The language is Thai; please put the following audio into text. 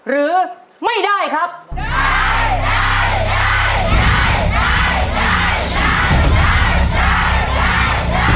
เพราะฉะนั้นช่วงหน้ามาเอาใจช่วยและลุ้นไปพร้อมกันนะครับ